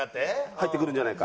入ってくるんじゃないか。